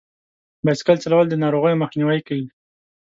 بایسکل چلول د ناروغیو مخنیوی کوي.